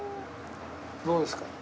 どうですか？